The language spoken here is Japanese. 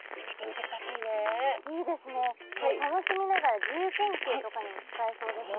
楽しみながら自由研究とかにも使えそうですもんね。